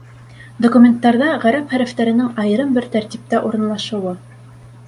Документтарҙа ғәрәп хәрефтәренең айырым бер тәртиптә урынлашыуы.